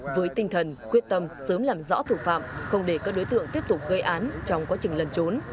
với tinh thần quyết tâm sớm làm rõ thủ phạm không để các đối tượng tiếp tục gây án trong quá trình lần trốn